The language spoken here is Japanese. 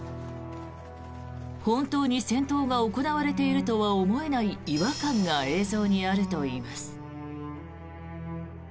本当に戦闘が行われているとは思えない違和感が映像にあるといいます。